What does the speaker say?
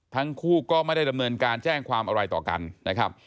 ทั้งคู่ก็ไม่ได้ดำเนินการแจ้งความอะไรต่อกันนะครับ